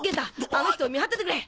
あの人を見張っててくれ！